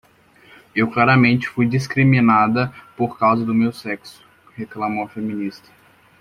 "Eu claramente fui discriminada por causa do meu sexo", reclamou a feminista.